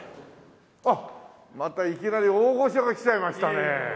あっまたいきなり大御所が来ちゃいましたね。